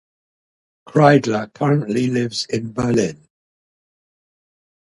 Kreidler currently lives in Berlin.